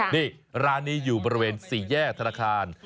นี่ร้านนี้อยู่บริเวณ๔แยกธนาคาร